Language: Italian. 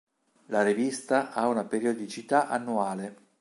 La rivista ha una periodicità annuale.